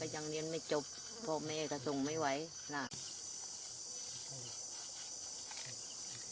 เวียนหัวไม่มาหรอกลูกไม่มาหรอกลูกไม่มาหรอก